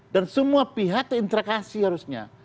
dan semua pihak terinterakasi harusnya